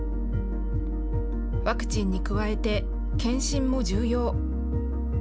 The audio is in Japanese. ワクチンに加えて、検診も重要。